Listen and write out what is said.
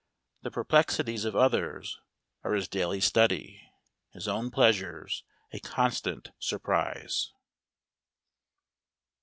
The perplexities of others are his daily study; his own pleasures, a constant surprise.